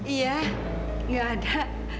iya nggak ada